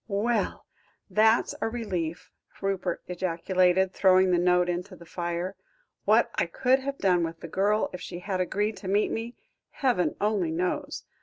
"Well! that's a relief," Rupert ejaculated, throwing the note into the fire; "what I could have done with the girl if she had agreed to meet me, heaven only knows.